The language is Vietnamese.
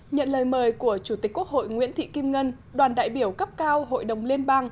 nhận lời mời của chủ tịch quốc hội nguyễn thị kim ngân đoàn đại biểu cấp cao hội đồng liên bang